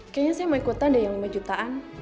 kayaknya saya mau ikutan ada yang lima jutaan